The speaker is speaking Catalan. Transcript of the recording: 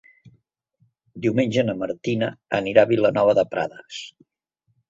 Diumenge na Martina anirà a Vilanova de Prades.